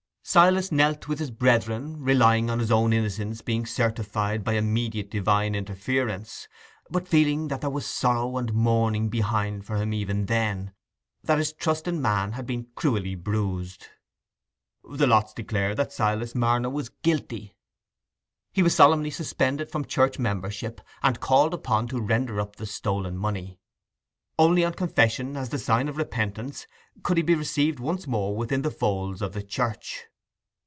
Silas knelt with his brethren, relying on his own innocence being certified by immediate divine interference, but feeling that there was sorrow and mourning behind for him even then—that his trust in man had been cruelly bruised. The lots declared that Silas Marner was guilty. He was solemnly suspended from church membership, and called upon to render up the stolen money: only on confession, as the sign of repentance, could he be received once more within the folds of the church.